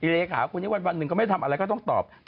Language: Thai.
เลขาคนนี้วันหนึ่งก็ไม่ทำอะไรก็ต้องตอบ